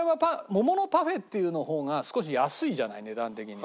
桃のパフェっていう方が少し安いじゃない値段的に。